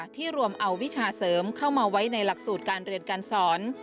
ที่รวมเอาวิชาเสริมเข้ามาไว้ในหลักสูตรการเรียนการสอน